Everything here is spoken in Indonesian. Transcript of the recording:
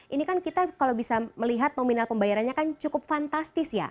ini kan kita kalau bisa melihat nominal pembayarannya kan cukup fantastis ya